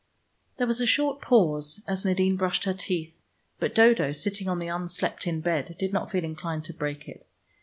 There was a short pause as Nadine brushed her teeth, but Dodo sitting on the unslept in bed did not feel inclined to break it.